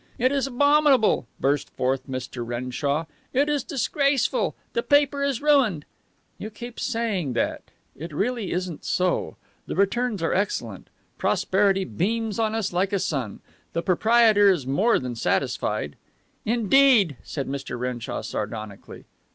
"It is abominable," burst forth Mr. Renshaw. "It is disgraceful. The paper is ruined." "You keep saying that. It really isn't so. The returns are excellent. Prosperity beams on us like a sun. The proprietor is more than satisfied." "Indeed!" said Mr. Renshaw sardonically.